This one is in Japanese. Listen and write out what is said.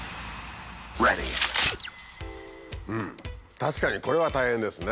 確かにこれは大変ですね。